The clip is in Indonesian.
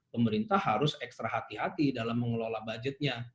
pemerintah harus ekstra hati hati dalam mengelola budgetnya